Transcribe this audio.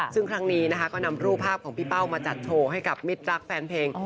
ซึ่งครั้งนี้นะคะก็นำรูปภาพของพี่เป้ามาจัดโชว์ให้กับมิตรรักแฟนเพลง